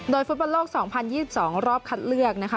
โดยฟุตบอลโลก๒๐๒๒รอบคัดเลือก